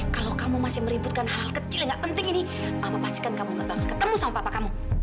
kalau kamu masih meributkan hal hal kecil yang gak penting ini kamu pastikan kamu gak bakal ketemu sama papa kamu